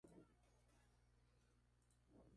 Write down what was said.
Él al igual que Jean-Claude fue herido en el frente.